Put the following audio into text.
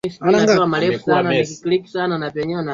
alikuwa makamu wa mwenyekiti wa bunge la kitaifa